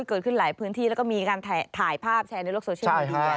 เกิดขึ้นหลายพื้นที่แล้วก็มีการถ่ายภาพแชร์ในโลกโซเชียลมาดูกัน